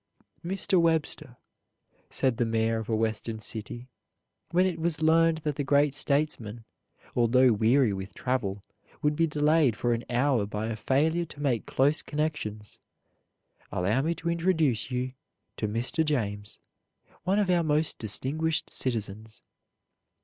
"Mr. Webster," said the mayor of a Western city, when it was learned that the great statesman, although weary with travel, would be delayed for an hour by a failure to make close connections, "allow me to introduce you to Mr. James, one of our most distinguished citizens."